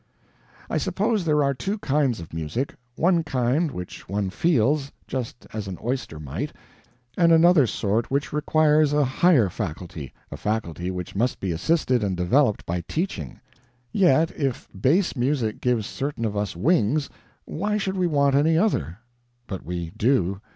I suppose there are two kinds of music one kind which one feels, just as an oyster might, and another sort which requires a higher faculty, a faculty which must be assisted and developed by teaching. Yet if base music gives certain of us wings, why should we want any other? But we do.